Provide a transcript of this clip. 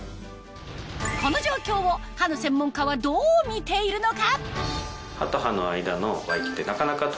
この状況を歯の専門家はどう見ているのか？